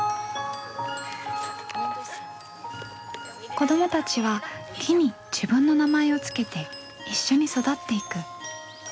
子どもたちは木に自分の名前を付けて一緒に育っていく。